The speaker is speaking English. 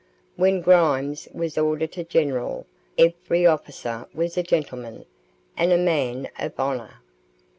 When Grimes was Auditor General every officer was a gentleman and a man of honour.